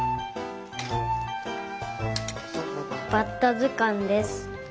バッタずかんです。